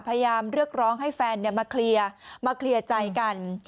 พยายามเรียกร้องให้แฟนมาเคลียร์มาเคลียร์ใจกัน